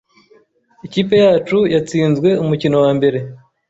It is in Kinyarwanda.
Ikipe yacu yatsinzwe umukino wambere.